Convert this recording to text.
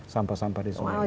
sampah sampah di sungai